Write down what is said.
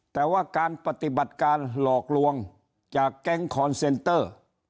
แต่ว่าการปฏิบัติการหลอกลวงจากแก๊งคอนเซนเตอร์